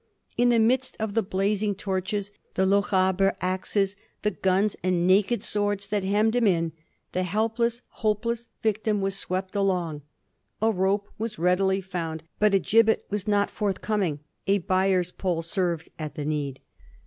In the midst of the blazing torches, the Lochaber axes, the guns and naked swords, that hemmed him in, the helpless, hopeless victim was swept along. A rope was readily found, but a gib bet was not forthcoming; a byer's pole served at the need.